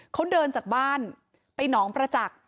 เขาเดินจากบ้านไปหนองประจักษ์